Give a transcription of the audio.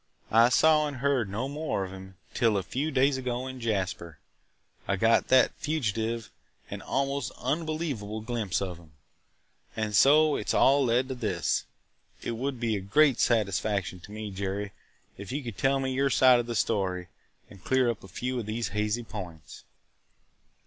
I saw and heard no more of him till, a few days ago in Jasper, I got that fugitive and almost unbelievable glimpse of him. And so, it has all led to this! It would be a great satisfaction to me, Jerry, if you could tell your side of the story and clear up a few of these hazy points."